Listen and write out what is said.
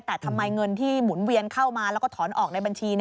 แต่ทำไมเงินที่หมุนเวียนเข้ามาแล้วก็ถอนออกในบัญชี